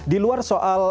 di luar soal